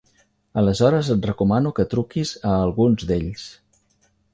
Aleshores et recomano que truquis a algun d'ells.